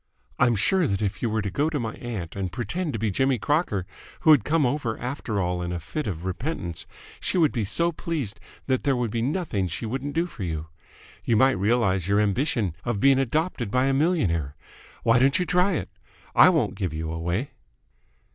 I'm sure that if you were to go to my aunt and pretend to be Jimmy Crocker, who had come over after all in a fit of repentance, she would be so pleased that there would be nothing she wouldn't do for you. You might realise your ambition of being adopted by a millionaire. Why don't you try it? I won't give you away."